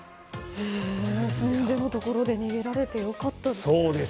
すんでのところで逃げられて良かったですね。